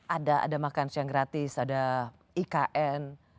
ada ada makanan yang gratis ada ikn